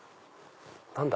何だ？